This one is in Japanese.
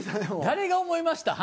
誰が思いました？